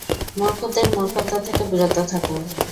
মূর্খদের মূর্খতা থেকে বিরত থাকুন!